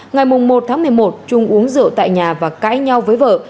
ngày một tháng một mươi một trung uống rượu tại nhà và cãi nhau với vợ